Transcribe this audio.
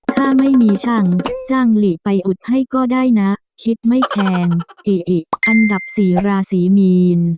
ถ้าไม่มีช่างจ้างหลีไปอุดให้ก็ได้นะคิดไม่แพงเออิอันดับสี่ราศีมีน